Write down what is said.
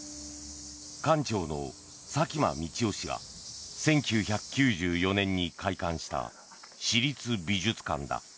館長の佐喜眞道夫氏が１９９４年に開館した私立美術館だ。